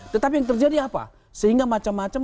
tetapi yang terjadi apa sehingga macam macam